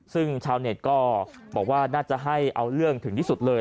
ซึ่งชาวเน็ตก็บอกว่าน่าจะให้เอาเรื่องถึงที่สุดเลย